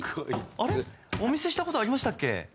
あれ、お見せしたことありましたっけ？